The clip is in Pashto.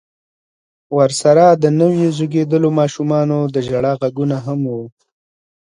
ورسره د نويو زيږېدليو ماشومانو د ژړا غږونه هم و.